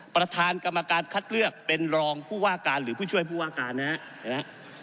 ประธานกรรมการคัดเลือกเป็นรองผู้ว่าการหรือผู้ช่วยผู้ว่าการนะครับ